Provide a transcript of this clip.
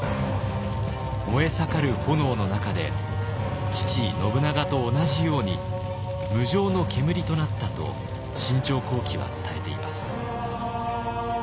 燃えさかる炎の中で父信長と同じように「無常の煙となった」と「信長公記」は伝えています。